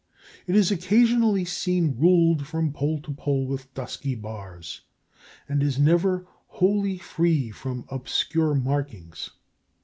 It is occasionally seen ruled from pole to pole with dusky bars, and is never wholly free from obscure markings.